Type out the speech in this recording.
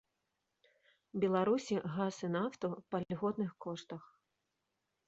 Беларусі газ і нафту па льготных коштах.